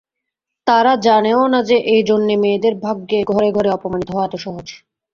তারা জানেও না যে, এইজন্যে মেয়েদের ভাগ্যে ঘরে ঘরে অপমানিত হওয়া এত সহজ।